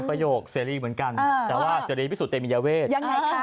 ประโยคเซรีย์เหมือนกันแต่ว่าเซรีย์พิสูจน์เต็มยาเวทยังไงคะ